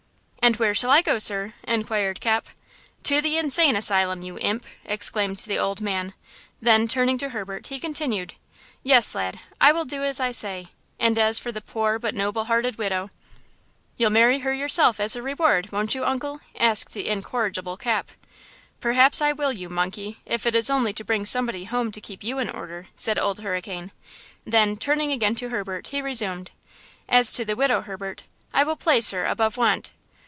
"And where shall I go, sir?" inquired Cap. "To the insane asylum, you imp!" exclaimed the old man; then, turning to Herbert, he continued: "Yes, lad; I will do as I say; and as for the poor but noble hearted widow–" "You'll marry her yourself, as a reward; won't you, uncle?" asked the incorrigible Cap. "Perhaps I will, you monkey, if it is only to bring somebody home to keep you in order," said Old Hurricane; then, turning again to Herbert, he resumed: "As to the widow, Herbert, I will place her above want."